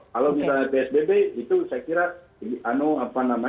kalau misalnya psbb itu saya kira